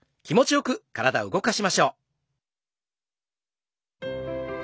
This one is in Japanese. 気持ちよく体を動かしていきましょう。